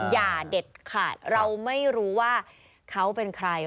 อย่าเด็ดขาดเราไม่รู้ว่าเขาเป็นใคร